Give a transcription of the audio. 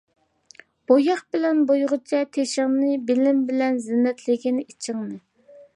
بوياق بىلەن بويغىچە تېشىڭنى، بىلىم بىلەن زىننەتلىگىن ئىچىڭنى.